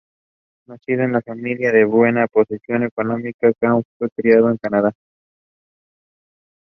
It was criticized for the manner in which it depicts the theme.